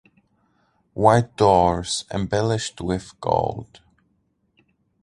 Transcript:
White doors, embellished with gold.